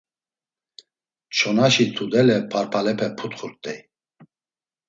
Çonaşi tudele parpalepe putxurt̆ey.